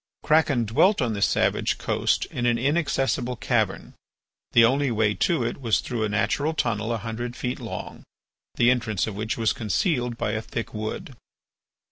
Kraken dwelt on this savage coast in an inaccessible cavern. The only way to it was through a natural tunnel a hundred feet long, the entrance of which was concealed by a thick wood.